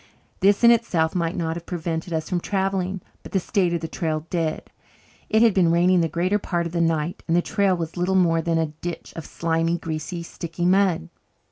This in itself might not have prevented us from travelling, but the state of the trail did. It had been raining the greater part of the night and the trail was little more than a ditch of slimy, greasy, sticky mud.